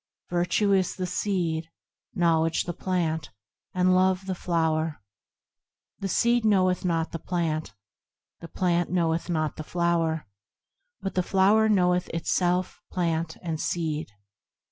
Virtue is the seed, Knowledge the plant, and Love the flower. The seed knoweth not the plant, The plant knoweth not the flower, But the flower knoweth itself, plant, and seed.